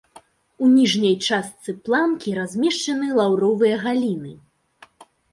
У ніжняй частцы планкі размешчаны лаўровыя галіны.